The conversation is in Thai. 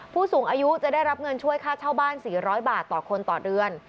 ผู้สูงอายุจะได้รับเงินช่วยค่าเช่าบ้าน๔๐๐บาทต่อคนต่อเดือน